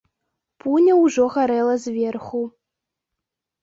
Пуня ўжо гарэла зверху.